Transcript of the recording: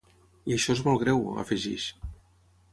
I això és molt greu, afegeix.